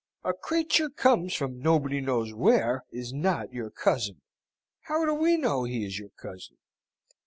"A creature come from nobody knows where is not your cousin! How do we know he is your cousin?